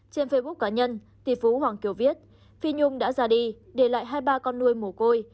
trên facebook cá nhân tỷ phú hoàng kiều viết phi nhung đã ra đi để lại hai ba con nuôi mồ côi